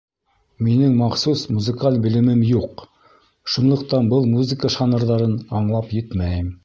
Минең махсус музыкаль белемем юҡ, шунлыҡтан был музыка жанрҙарын аңлап етмәйем.